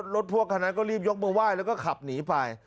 รถพวกคันนั้นก็รีบยกมือไหว้แล้วก็ขับหนีไป